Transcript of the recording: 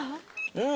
うん！